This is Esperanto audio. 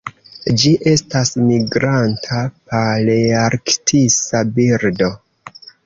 Ĝi estas migranta palearktisa birdo.